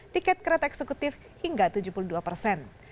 tiket kereta eksekutif hingga tujuh puluh dua persen